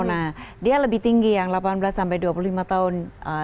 nah dia lebih tinggi yang delapan belas sampai dua puluh lima tahun